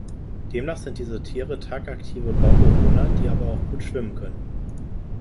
Demnach sind diese Tiere tagaktive Baumbewohner, die aber auch gut schwimmen können.